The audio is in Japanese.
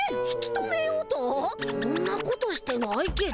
そんなことしてないけど。